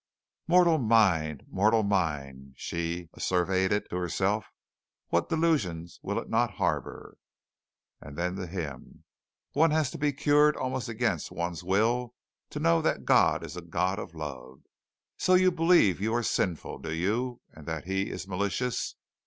"Mortal mind! Mortal mind!" she asseverated to herself. "What delusions will it not harbor!" And then to him: "One has to be cured almost against one's will to know that God is a God of love. So you believe you are sinful, do you, and that He is malicious?